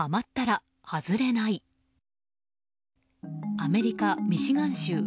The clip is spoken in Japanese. アメリカ・ミシガン州。